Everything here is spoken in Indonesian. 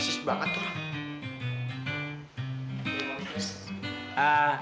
nasis banget tuh